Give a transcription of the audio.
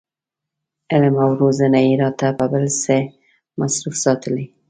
علم او روزنه یې راته په بل څه مصروف ساتلي.